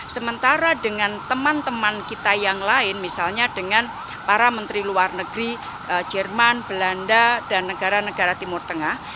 sementara dengan teman teman kita yang lain misalnya dengan para menteri luar negeri jerman belanda dan negara negara timur tengah